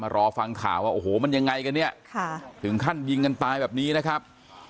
รอฟังข่าวว่าโอ้โหมันยังไงกันเนี่ยถึงขั้นยิงกันตายแบบนี้นะครับ